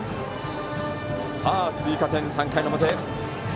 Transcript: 追加点、３回の表。